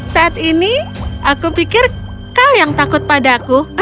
saat ini aku pikir kau yang takut padaku